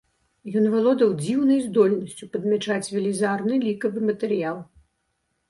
Ён валодаў дзіўнай здольнасцю падмячаць велізарны лікавы матэрыял.